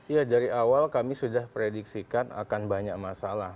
ya dari awal kami sudah prediksikan akan banyak masalah